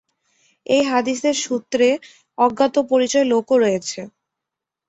এই হাদীসের সূত্রে অজ্ঞাত পরিচয় লোকও রয়েছে।